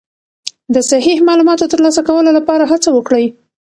د صحیح معلوماتو ترلاسه کولو لپاره هڅه وکړئ.